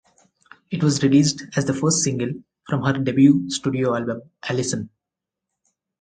It was released as the first single from her debut studio album "Allison".